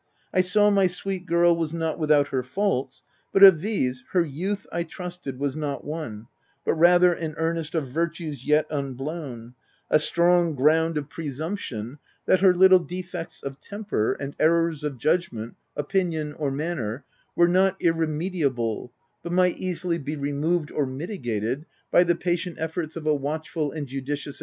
I saw my sweet girl was not without her faults, but of these, her youth, I trusted, was not one, but rather an earnest of virtues yet unblown — a strong ground of presumption that her little defects of temper, and errors of judgment, opinion, or manner were not irremediable, but might easily be removed or mitigated by the patient efforts of a watchful and judicious OP WILDFELL HALL.